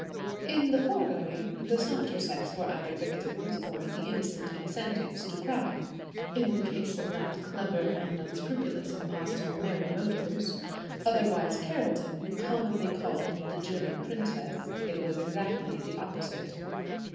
In the foregoing the softer sex were either victims or the innocent incentives to crime. In the case of that clever and unscrupulous impostor Mary Moders, otherwise Carelton, commonly called the German Princess, it was exactly the opposite.